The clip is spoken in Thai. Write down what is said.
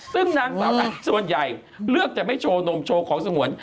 ซึ่งนางสาวนั้นส่วนใหญ่เลือกจะไม่โชว์นมโชว์ของสงวน